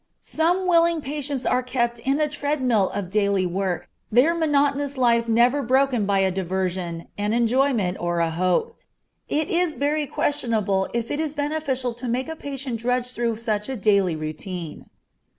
Some willing patients are kept in a tread mill of daily work, their monotonous life never broken by a diversion, an enjoyment, or a hope. It is very questionable if it is beneficial to make a patient drudge through such a daily routine.